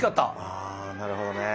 あなるほどね。